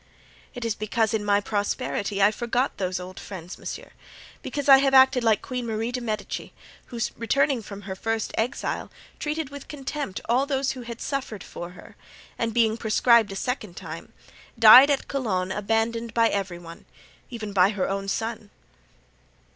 "It is because in my prosperity I forgot those old friends, monsieur; because I have acted like Queen Marie de Medicis, who, returning from her first exile, treated with contempt all those who had suffered for her and, being proscribed a second time, died at Cologne abandoned by every one, even by her own son."